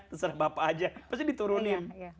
terserah bapak aja pasti diturunin